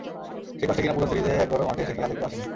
সেই কষ্টে কিনা পুরো সিরিজে একবারও মাঠে এসে খেলা দেখতেও আসেননি।